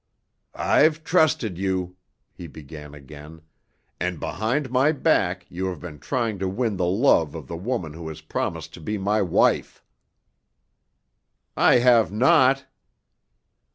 "I've trusted you," he began again; "and behind my back you have been trying to win the love of the woman who has promised to be my wife." "I have not."